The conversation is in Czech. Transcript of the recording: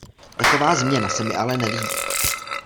Taková změna se mi ale nelíbí.